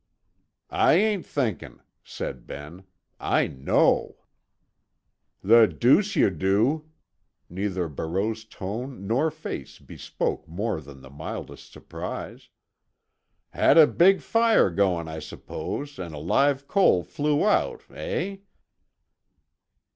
"I ain't thinkin'," said Ben. "I know." "The deuce you do!" Neither Barreau's tone nor face bespoke more than the mildest surprise. "Had a big fire going, I suppose, and a live coal flew out. Eh?"